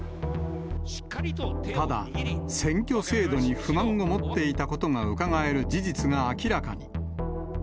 ただ、選挙制度に不満を持っていたことがうかがえる事実が明らかに。